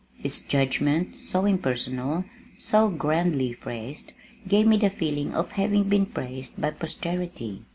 His judgment, so impersonal, so grandly phrased, gave me the feeling of having been "praised by posterity."